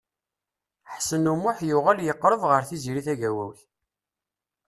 Ḥsen U Muḥ yuɣal yeqreb ɣer Tiziri Tagawawt.